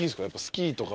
スキーとか。